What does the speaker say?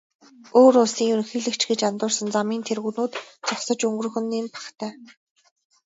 Өөр улсын ерөнхийлөгч гэж андуурсан замын тэрэгнүүд зогсож өнгөрөөх нь нэн бахтай.